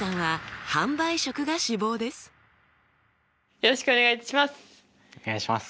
よろしくお願いします。